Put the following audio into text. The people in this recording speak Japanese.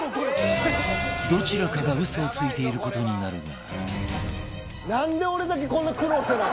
どちらかが嘘をついている事になるが